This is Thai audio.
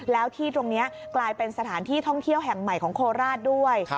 แล้วที่ตรงนี้กลายเป็นสถานที่ท่องเที่ยวแห่งใหม่ของโคราชด้วย